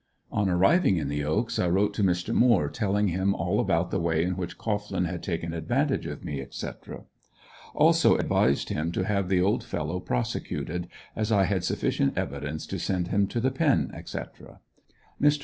On arriving in the "Oaks" I wrote to Mr. Moore telling him all about the way in which Cohglin had taken advantage of me, etc. Also advised him to have the old fellow prosecuted as I had sufficient evidence to send him to the "Pen," etc. Mr.